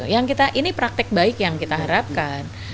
yang kita ini praktek baik yang kita harapkan